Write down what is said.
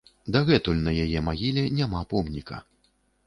Дагэтуль на яе магіле няма помніка.